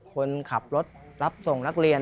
คนขับรถรับส่งนักเรียน